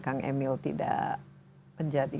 kang emil tidak menjadi